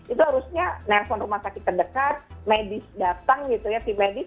itu harusnya nelpon rumah sakit terdekat medis datang gitu ya tim medis